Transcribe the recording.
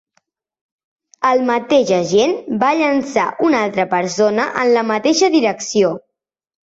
El mateix agent va llençar una altra persona en la mateixa direcció.